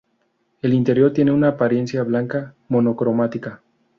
El interior tiene una apariencia blanca monocromática.